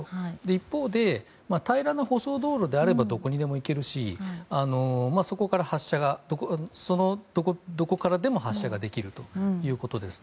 一方で、平らな舗装道路であればどこにでも行けるしどこからでも発射ができるということです。